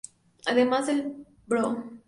Además el Pbro.